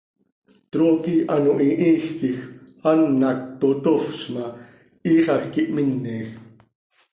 Trooqui ano hihiij quij ah an hac totofz ma, hiixaj quih minej.